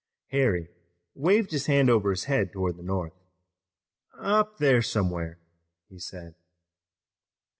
Harry waved his hand toward the north. "Up there somewhere," he said.